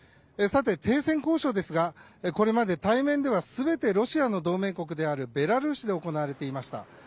さて、停戦交渉ですがこれまで対面では全てロシアの同盟国であるベラルーシで行われていました。